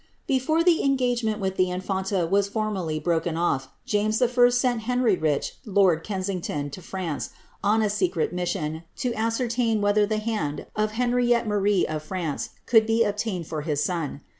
Before the engagement with the infanta was formally broken ofl^ James I. sent Henry Rich, lord Kensington, to France, on a secret mis sion, to ascertain whether the hand of Henriette Marie of France could be obtained for his son.'